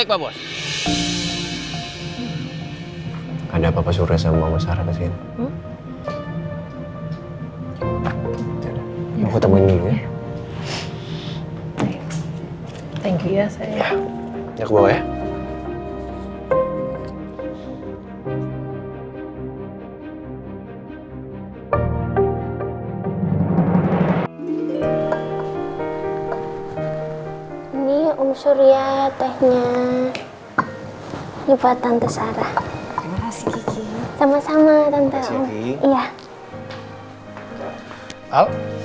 ini om surya tehnya ibu tante sarah sama sama